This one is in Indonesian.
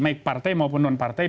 baik partai maupun non partai